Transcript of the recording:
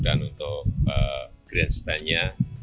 dan untuk grandstand nya